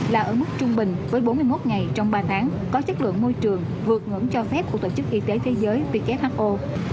là ở mức trung bình với bốn mươi một ngày trong ba tháng có chất lượng môi trường vượt ngưỡng cho phép của tổ chức y tế thế giới who